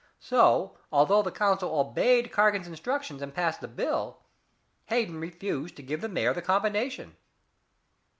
So, although the council obeyed Cargan's instructions and passed the bill, Hayden refused to give the mayor the combination."